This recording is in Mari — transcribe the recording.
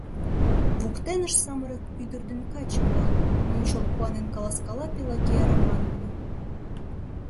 Воктенышт самырык ӱдыр ден каче-влак... — мочол куанен каласкала Пелагея Романовн-а.